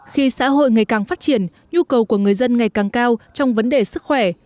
khi xã hội ngày càng phát triển nhu cầu của người dân ngày càng cao trong vấn đề sức khỏe